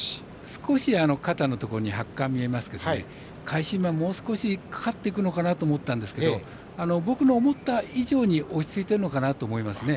少し方のところに発汗が見えますけど返し馬、もう少しかかっていくのかなと思っていましたが僕の思った以上に落ち着いてるなと思いますね。